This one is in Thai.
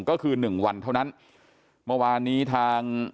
ก็คือหนึ่งวันเท่านั้นเมื่อวานนี้ทาง